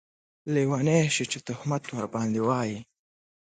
لیونۍ شې چې تهمت ورباندې واېې